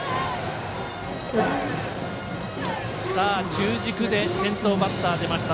中軸で先頭バッター出ました。